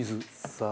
さあ。